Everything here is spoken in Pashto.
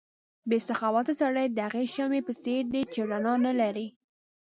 بې سخاوته سړی د هغې شمعې په څېر دی چې رڼا نه لري.